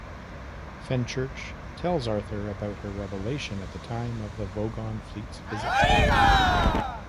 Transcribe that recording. Fenchurch tells Arthur about her revelation at the time of the Vogon fleet's visit.